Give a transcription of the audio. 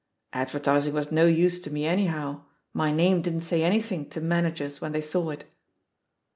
"Advertising was no use to me anyhow — my name didn't say anything to managers when they saw it."